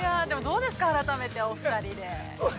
でもどうですか、改めてお二人で。